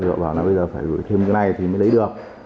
xong rồi họ bảo là bây giờ phải gửi thêm cái này thì mới lấy được